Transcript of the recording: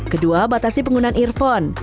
kedua batasi penggunaan earphone